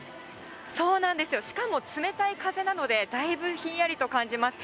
そうなんですよ、しかも冷たい風なので、だいぶひんやりと感じます。